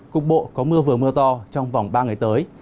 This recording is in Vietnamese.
cục bộ có mưa vừa mưa to trong vòng ba ngày tới